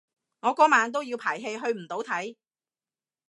我嗰晚都要排戲去唔到睇